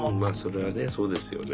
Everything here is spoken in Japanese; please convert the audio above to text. そうですよね。